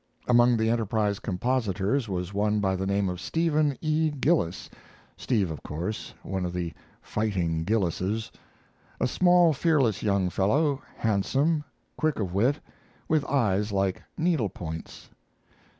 Among the Enterprise compositors was one by the name of Stephen E. Gillis (Steve, of course one of the "fighting Gillises"), a small, fearless young fellow, handsome, quick of wit, with eyes like needle points.